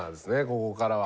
ここからは。